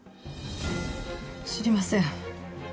知りません。